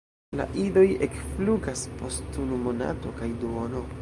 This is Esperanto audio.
La idoj ekflugas post unu monato kaj duono.